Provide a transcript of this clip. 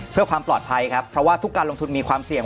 เพื่อความปลอดภัยครับเพราะว่าทุกการลงทุนมีความเสี่ยง